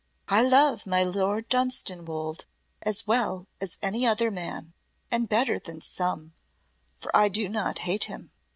"I love my Lord Dunstanwolde as well as any other man, and better than some, for I do not hate him.